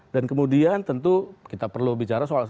dan kemudian tentu kita perlu bicara soal